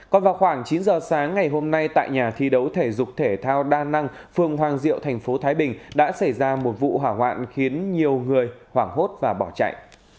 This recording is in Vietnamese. còn vào khoảng chín giờ sáng ngày hôm nay tại nhà thi đấu thể dục thể thao đa năng phường hoàng diệu thành phố thái bình đã xảy ra một vụ hỏa hoạn khiến nhiều người hoảng hốt và bỏ chạy